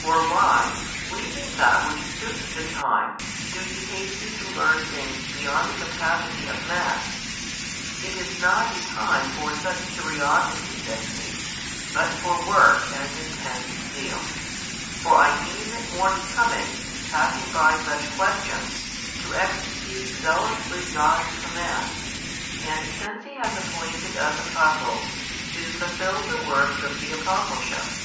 Or why, leaving that which suits the time, do ye hasten to learn things beyond the capacity of man? It is not a time for such curiosity, says He, but for work and intense zeal; for I deem it more becoming, passing by such questions, to execute zealously God's commands, and since He has appointed us Apostles, to fulfil the works of the Apostleship.